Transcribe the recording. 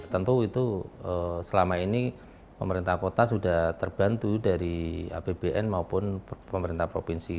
tentu itu selama ini pemerintah kota sudah terbantu dari apbn maupun pemerintah provinsi